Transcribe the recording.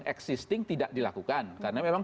existing tidak dilakukan karena memang